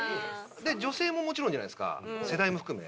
女性ももちろんじゃないですか世代も含め。